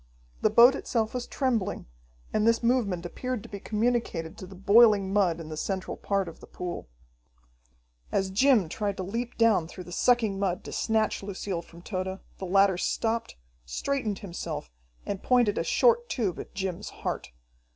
The boat itself was trembling, and this movement appeared to be communicated to the boiling mud in the central part of the pool. As Jim tried to leap down through the sucking mud to snatch Lucille from Tode, the latter stopped, straightened himself, and pointed a short tube at Jim's heart.